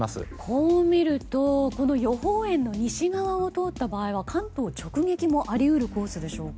こう見ると予報円の西側を通った場合は関東直撃もあり得るコースでしょうか？